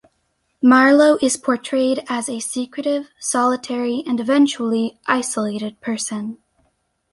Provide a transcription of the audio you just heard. Marlowe is portrayed as a secretive, solitary and eventually isolated person.